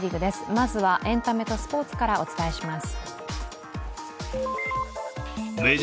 まずはエンタメとスポーツからお伝えします。